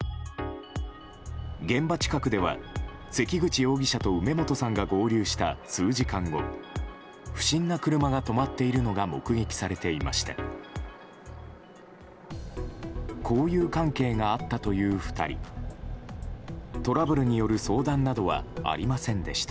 現場近くでは関口容疑者と梅本さんが合流した数時間後に不審な車が止まっているのが目撃されていました。